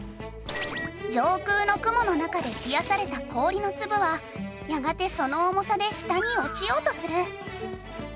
上空の雲の中で冷やされた氷の粒はやがてその重さで下に落ちようとする。